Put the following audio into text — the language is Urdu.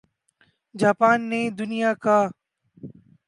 جاپان نے دنیا کا